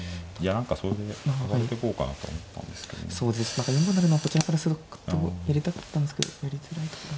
何か４五馬とこちらからすると入れたかったんすけどやりづらいかな。